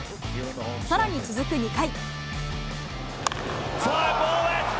さらに続く２回。